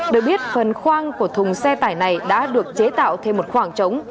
được biết phần khoang của thùng xe tải này đã được chế tạo thêm một khoảng trống